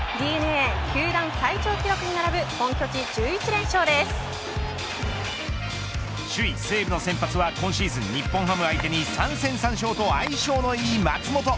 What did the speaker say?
ＤｅＮＡ球団最長記録に並ぶ首位、西武の先発は今シーズン日本ハムを相手に３戦３勝と相性のいい松本。